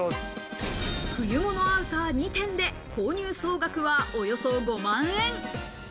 冬物アウター２点で購入総額はおよそ５万円。